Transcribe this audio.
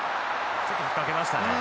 ちょっと引っ掛けましたね